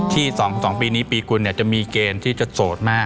ที่๒ปีนี้ปีกุลจะมีเกณฑ์ที่จะโสดมาก